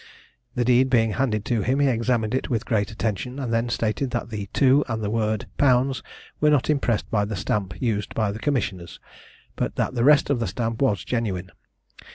The deed being handed to him he examined it with great attention, and then stated that the "II" and the word "Pounds" were not impressed by the stamp used by the commissioners, but that the rest of the stamp was genuine.